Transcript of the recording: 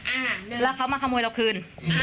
อาหารแล้วเขามาขโมยเราคืน